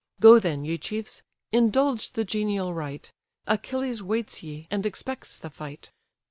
Go then, ye chiefs! indulge the genial rite; Achilles waits ye, and expects the fight."